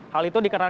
hal itu tidak terjadi